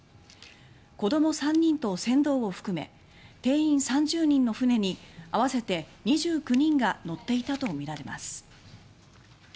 子ども３人と船頭を含め定員３０人の舟に合わせて２９人が乗っていたとみられます。